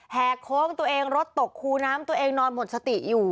แห่โค้งตัวเองรถตกคูน้ำตัวเองนอนหมดสติอยู่